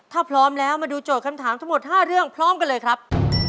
ถ้าพร้อมแล้วมาดูโจทย์คำถามทั้งหมด๕เรื่องพร้อมกันเลยครับ